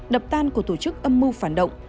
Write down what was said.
đập tan của tổ chức âm mưu phản động